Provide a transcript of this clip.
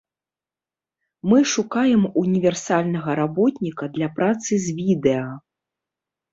Мы шукаем універсальнага работніка для працы з відэа.